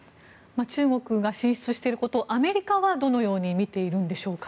中国が進出していることをアメリカはどのように見ているんでしょうか。